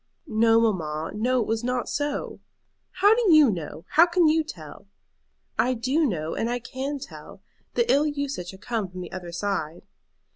"No, mamma; no, it was not so." "How do you know? how can you tell?" "I do know; and I can tell. The ill usage had come from the other side."